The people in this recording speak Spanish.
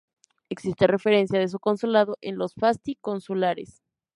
Existe referencia de su consulado en los fasti consulares.